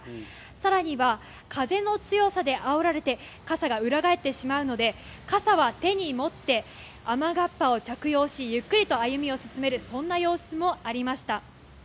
さらには風の強さであおられて傘が裏返ってしまうので傘は手に持って、雨がっぱを着用し、ゆっくりと歩みを進めるそんな様子もありました。